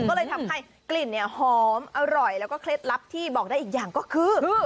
ก็เลยทำให้กลิ่นเนี่ยหอมอร่อยแล้วก็เคล็ดลับที่บอกได้อีกอย่างก็คือ